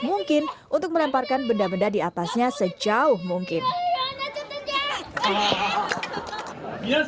mungkin untuk melemparkan benda benda di atasnya sejauh mungkin ya hai jahat